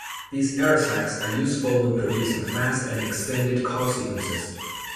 These air sacs are useful when producing fast and extended call sequences.